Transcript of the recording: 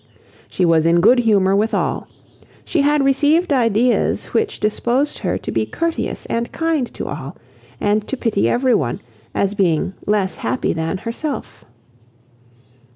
She was in good humour with all. She had received ideas which disposed her to be courteous and kind to all, and to pity every one, as being less happy than herself.